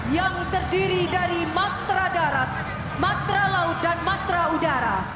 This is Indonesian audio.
yang terdiri dari matra darat matra laut dan matra udara